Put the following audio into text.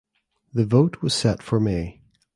The vote was set for May.